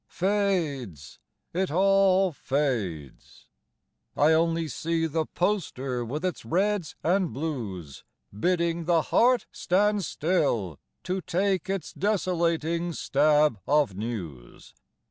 Fades, it all fades! I only see The poster with its reds and blues Bidding the heart stand still to take Its desolating stab of news.